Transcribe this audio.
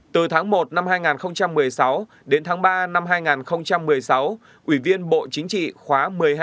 từ tháng một năm hai nghìn một mươi sáu đến tháng ba năm hai nghìn một mươi sáu ủy viên bộ chính trị khóa một mươi hai